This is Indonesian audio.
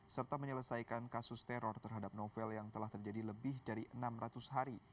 serta menyelesaikan kasus teror terhadap novel yang telah terjadi lebih dari enam ratus hari